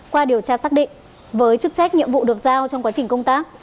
qua điều tra xác định với chức trách nhiệm vụ được giao trong quá trình công tác